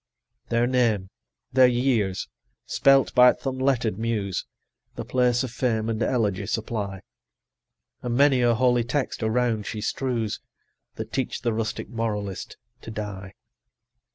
80 Their name, their years, spelt by th' unletter'd Muse, The place of fame and elegy supply; And many a holy text around she strews, That teach the rustic moralist to die.